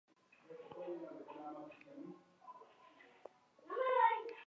Trabaja como traductora de la Unión Europea en Bruselas.